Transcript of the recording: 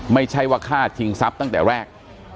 ไม่ใช่ว่าฆ่าชิงทรัพย์ตั้งแต่แรก